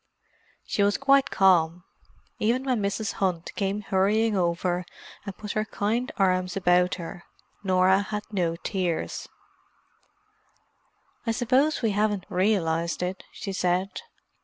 She was quite calm. Even when Mrs. Hunt came hurrying over, and put her kind arms about her, Norah had no tears. "I suppose we haven't realized it," she said.